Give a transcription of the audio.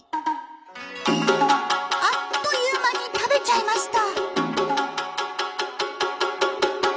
あっという間に食べちゃいました。